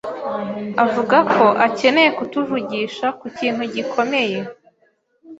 avuga ko akeneye kutuvugisha ku kintu gikomeye.